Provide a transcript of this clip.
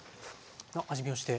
味見をして。